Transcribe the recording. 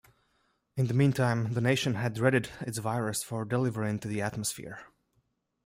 In the meantime, the Nation had readied its virus for delivery into the atmosphere.